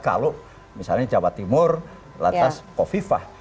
kalau misalnya jawa timur lantas kofifah